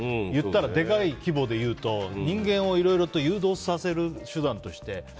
でかい規模で言うと人間をいろいろと誘導させる手段として。